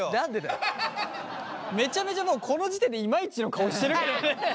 めちゃめちゃもうこの時点でイマイチの顔してるけどね。